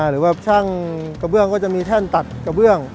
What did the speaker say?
หรือว่าช่างกระเบื้องก็จะมีแท่นตัดกระเบื้อง